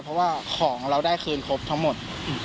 เพราะว่าของเราได้คืนครบทั้งหมด